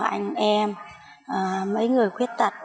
anh em mấy người khuyết tạch